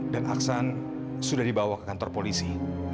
dan aksan sudah dibawa ke kantor polisi